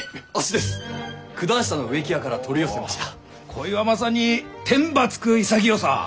こいはまさに天ば衝く潔さ！